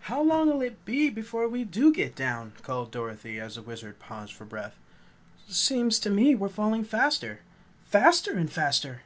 "How long'll it be before we do get down?" called Dorothy, as the Wizard paused for breath. "Seems to me we're falling faster. FASTER AND FASTER!"